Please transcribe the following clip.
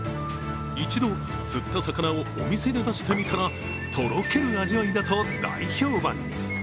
一度釣った魚をお店で出してみたらとろける味わいだと大評判に。